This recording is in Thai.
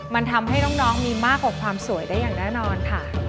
มันทำให้น้องมีมากกว่าความสวยได้อย่างแน่นอนค่ะ